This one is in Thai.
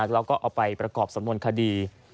แล้วก็เอาไปประกอบสำนวนคดี